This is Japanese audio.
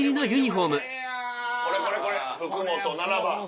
これこれこれ福本７番。